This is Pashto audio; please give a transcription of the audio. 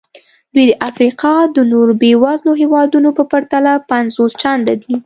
دوی د افریقا د نورو بېوزلو هېوادونو په پرتله پنځوس چنده دي.